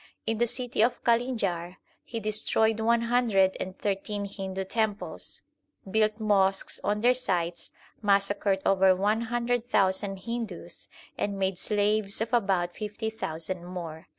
In the city of Kalinjar he destroyed one hundred and thirteen Hindu temples, built mosques on their sites, massacred over one hundred thousand Hindus, and made slaves of about fifty thousand more.